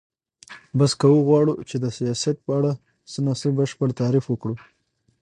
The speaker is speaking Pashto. پس که وغواړو چی د سیاست په اړه څه نا څه بشپړ تعریف وکړو